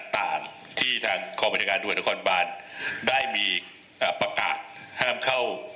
ต่างที่ทางคอบริษัทตรวจนครบาลได้มีอ่าประกาศห้ามเข้า